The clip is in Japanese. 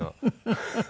フフフフ。